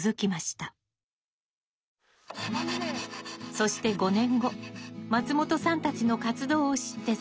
そして５年後松本さんたちの活動を知って参加。